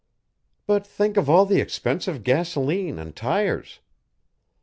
"But think of all the expensive gasoline and tires!"